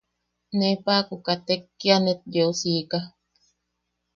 Ne paʼaku katek kia net yeu siika.